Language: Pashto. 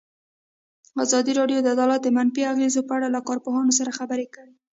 ازادي راډیو د عدالت د منفي اغېزو په اړه له کارپوهانو سره خبرې کړي.